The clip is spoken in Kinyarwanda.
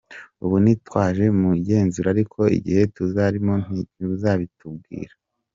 Ubu ntitwaje mu igenzura ariko igihe tuzarizamo ntimuzabitubwira.